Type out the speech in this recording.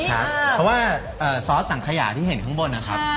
เพราะว่าซอสสังขยาที่เห็นข้างบนนะครับ